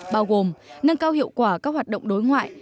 bao gồm nâng cao hiệu quả các hoạt động đối ngoại